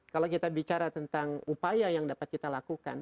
kalau kita bicara tentang upaya yang dapat kita lakukan